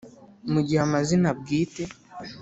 mu gihe amazina bwite